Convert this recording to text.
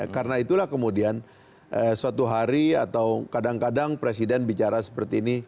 karena itulah kemudian suatu hari atau kadang kadang presiden bicara seperti ini